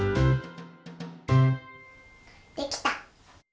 できた！